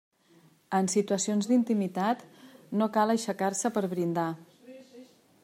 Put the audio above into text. En situacions d'intimitat, no cal aixecar-se per brindar.